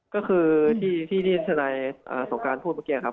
ก็คือที่ทนาสนนายสงครานพูดมาเกี๊ยงครับ